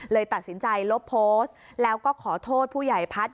ตัดสินใจลบโพสต์แล้วก็ขอโทษผู้ใหญ่พัฒน์